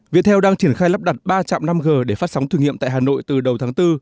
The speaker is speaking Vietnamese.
viettel đang triển khai lắp đặt ba trạm năm g để phát sóng thử nghiệm tại hà nội từ đầu tháng bốn